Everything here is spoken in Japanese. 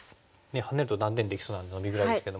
ハネると断点できそうなのでノビぐらいですけども。